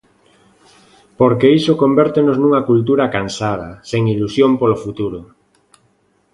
Porque iso convértenos nunha cultura cansada, sen ilusión polo futuro.